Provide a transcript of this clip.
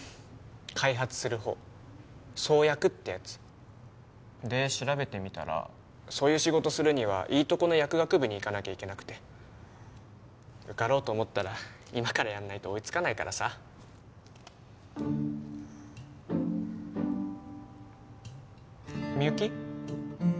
開発するほう創薬ってやつで調べてみたらそういう仕事するにはいいとこの薬学部に行かなきゃいけなくて受かろうと思ったら今からやんないと追いつかないからさみゆき？